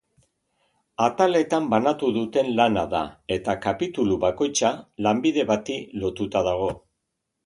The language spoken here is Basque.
Ataletan banatu duten lana da, eta kapitulu bakoitza lanbide bati lotuta dago.